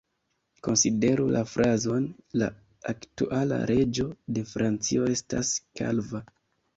Konsideru la frazon "La aktuala reĝo de Francio estas kalva.